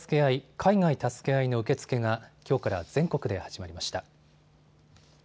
・海外たすけあいの受け付けがきょうから全国で始まりました。